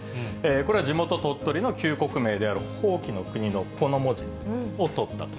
これは地元、鳥取の旧国名である伯耆国のこの文字を取ったと。